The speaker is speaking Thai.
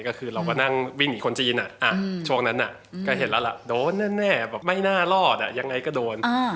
ก็คือเราก็นั่งวิ่งหนีคนจีนช่วงนั้นก็เห็นแล้วล่ะโดนแน่แบบไม่น่ารอดยังไงก็โดน